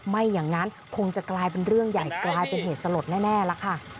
ไม่อย่างนั้นคงจะกลายเป็นเรื่องใหญ่กลายเป็นเหตุสลดแน่ล่ะค่ะ